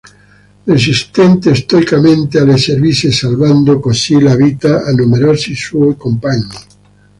Resistette stoicamente alle sevizie salvando, così, la vita a numerosi suoi compagni.